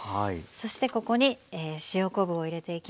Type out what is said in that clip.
そしてここに塩昆布を入れていきます。